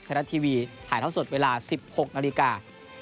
ไทยรัฐทีวีถ่ายท่อสดเวลา๑๖นาฬิกา